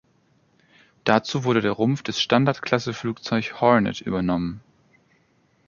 Dazu wurde der Rumpf des Standard-Klasse-Flugzeugs Hornet übernommen.